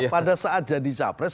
pada saat jadi capres